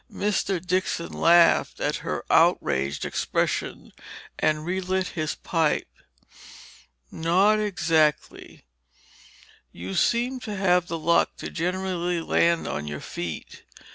Mr. Dixon laughed at her outraged expression, and relit his pipe. "Not exactly—you seem to have the luck to generally land on your feet.